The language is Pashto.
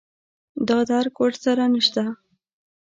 دا درک ور سره نشته